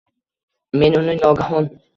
Men uni nogahon